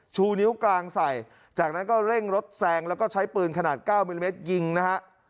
ชูนิ้วกลางใส่จากนั้นก็เร่งรถแซงแล้วก็ใช้ปืนขนาด๙มิลลิเมตรยิงนะฮะ